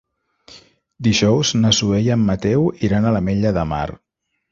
Dijous na Zoè i en Mateu iran a l'Ametlla de Mar.